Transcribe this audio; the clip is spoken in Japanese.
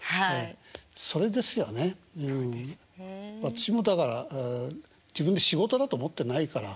私もだから自分で仕事だと思ってないから。